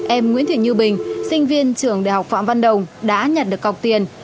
em nguyễn thị như bình sinh viên trường đại học phạm văn đồng đã nhận được cọc tiền